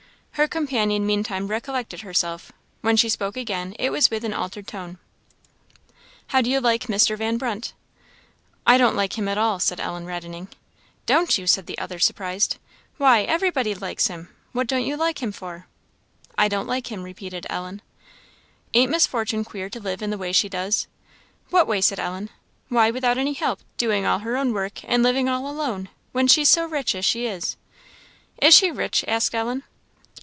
Her companion meantime recollected herself; when she spoke again it was with an altered tone. "How do you like Mr. Van Brunt?" "I don't like him at all," said Ellen, reddening. "Don't you!" said the other surprised "why, everybody likes him. What don't you like him for?" "I don't like him," repeated Ellen. "Ain't Miss Fortune queer to live in the way she does?" "What way?" said Ellen. "Why, without any help doing all her own work, and living all alone, when she's so rich as she is." "Is she rich?" asked Ellen.